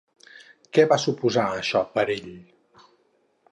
Què va suposar això per ell?